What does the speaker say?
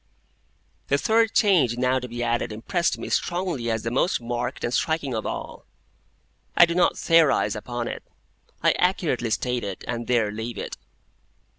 The third change now to be added impressed me strongly as the most marked and striking of all. I do not theorise upon it; I accurately state it, and there leave it.